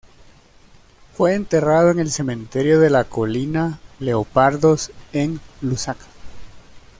Fue enterrado en el cementerio de la Colina Leopardos en Lusaka.